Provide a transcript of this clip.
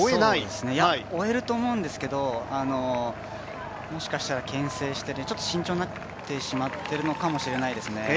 追えると思うんですけど、もしかしたらけん制をして、慎重になってしまってるのかもしれないですね。